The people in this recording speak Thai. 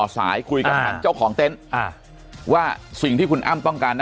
สายคุยกับทางเจ้าของเต็นต์ว่าสิ่งที่คุณอ้ำต้องการนะ